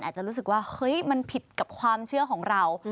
อาจจะรู้สึกว่าเฮ้ยมันผิดกับความเชื่อของเรา